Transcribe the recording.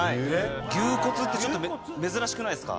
牛骨ってちょっと珍しくないですか？